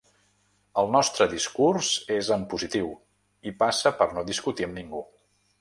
El nostre discurs és en positiu i passa per no discutir amb ningú.